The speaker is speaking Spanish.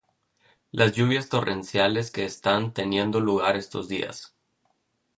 Las lluvias torrenciales que están teniendo lugar estos días